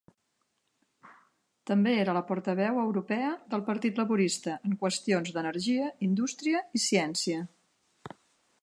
També era la portaveu europea del Partit Laborista en qüestions d'energia, indústria i ciència.